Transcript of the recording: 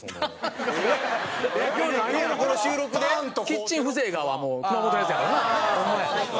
「キッチン風情が」はもう熊元のやつやからな。